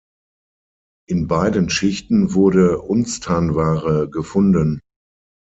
In beiden Schichten wurde Unstan-Ware gefunden.